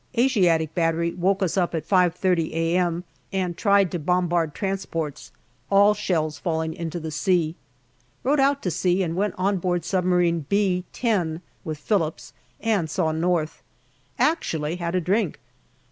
Asiatic battery woke us up at 5.30 a.m. and tried to bombard transports, all shells falling into the sea. Rowed out to sea and went on board submarine B 10 with Phillips, and saw North. Actually had a drink.